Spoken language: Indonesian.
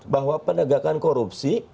bahwa penegakan korupsi